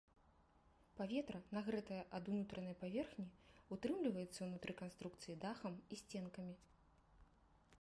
Паветра, нагрэтае ад унутранай паверхні, утрымліваецца ўнутры канструкцыі дахам і сценкамі.